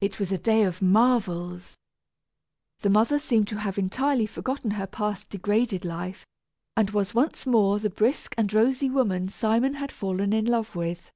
It was a day of marvels! The mother seemed to have entirely forgotten her past degraded life, and was once more the brisk and rosy woman Simon had fallen in love with.